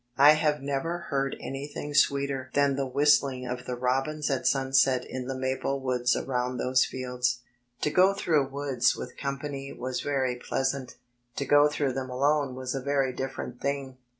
I have never heard anythitig sweeter than the whistling of the robins at sunset in the maple woods around those fields. To go through woods with company was very pleasant; to go through dtem alone was a very different thing.